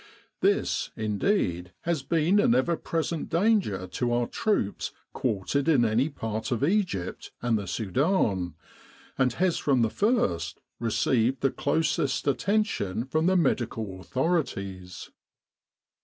This, indeed, has been an ever present danger to our troops quartered in any part of Egypt and the Sudan, and has from the first received the closest attention from the medical authorities.